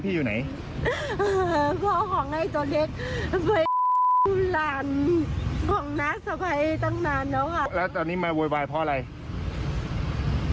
พูดสิแยกสามารถครับ